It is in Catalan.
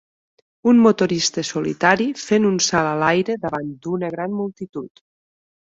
un motorista solitari fent un salt a l'aire davant d'una gran multitud.